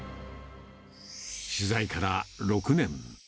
取材から６年。